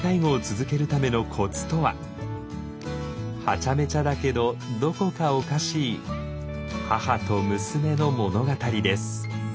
ハチャメチャだけどどこかおかしい母と娘の物語です。